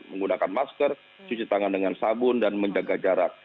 menggunakan masker cuci tangan dengan sabun dan menjaga jarak